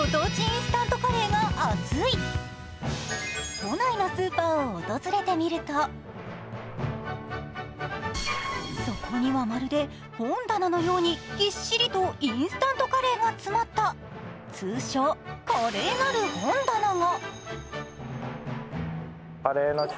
都内のスーパーを訪れてみると、そこにはまるで本棚のようにぎっしりとインスタントカレーが詰まった通称カレーなる本棚が。